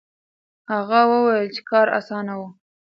هغه وویل چې کار اسانه و.